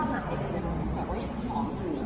แค่นี้แล้วทำงานพอแค่นี้แล้ว